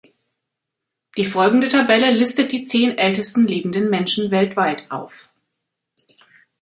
Die folgende Tabelle listet die zehn ältesten lebenden Menschen weltweit auf.